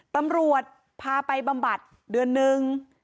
ตำรวจพาไปบำบัดเดือนนึง